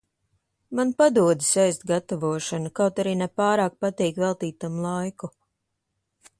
Man padodas ēst gatavošana, kaut arī ne pārāk patīk veltīt tam laiku.